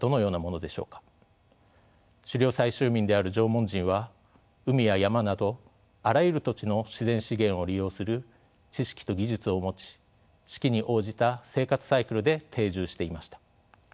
狩猟採集民である縄文人は海や山などあらゆる土地の自然資源を利用する知識と技術を持ち四季に応じた生活サイクルで定住していました。